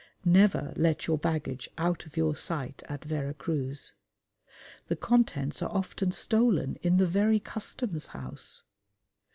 Never let your baggage out of your sight at Vera Cruz. The contents are often stolen in the very Customs House.